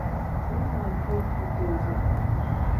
Mili ni alifa litozo.